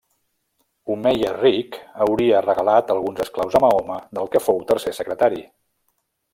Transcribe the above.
Omeia ric, hauria regalat alguns esclaus a Mahoma del que fou tercer secretari.